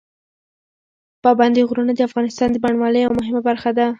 پابندي غرونه د افغانستان د بڼوالۍ یوه مهمه برخه ده.